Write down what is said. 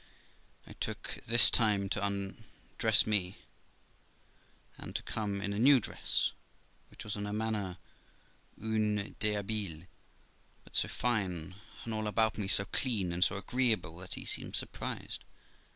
I took this time to undress me, and to come in a new dress, which was, in a manner, u?u deshabille, but so fine, and all about me so clean and so agreeable, that he seemed surprised.